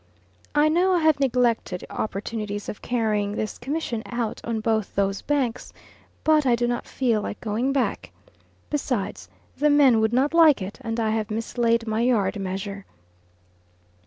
I know I have neglected opportunities of carrying this commission out on both those banks, but I do not feel like going back. Besides, the men would not like it, and I have mislaid my yard measure.